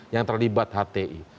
yang terlibat hti